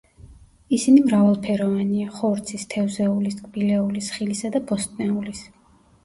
ისინი მრავალფეროვანია: ხორცის, თევზეულის, ტკბილეულის, ხილისა და ბოსტნეულის.